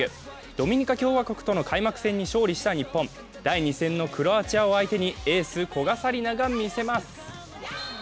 ドミニカ共和国との開幕戦に勝利した日本、第２戦のクロアチアを相手にエース・古賀紗理那が見せます。